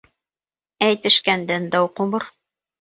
Әйтешкәндән дау ҡубыр